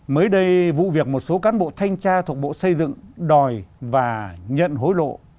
mới đây vụ việc một số cán bộ thanh tra thuộc bộ xây dựng đòi và nhận hối lộ